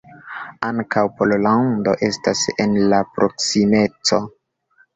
Ankaŭ Pollando estas en la proksimeco.